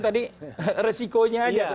tadi resikonya aja